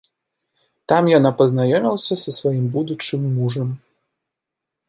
Там яна пазнаёмілася са сваім будучым мужам.